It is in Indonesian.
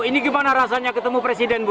ini gimana rasanya ketemu presiden bu